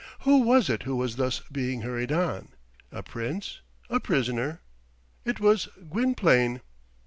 Who was it who was thus being hurried on a prince, a prisoner? It was Gwynplaine.